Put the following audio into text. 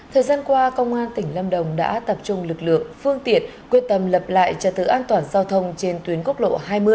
thời gian qua công an tỉnh lâm đồng đã tập trung lực lượng phương tiện quyết tâm lập lại trật tự an toàn giao thông trên tuyến quốc lộ hai mươi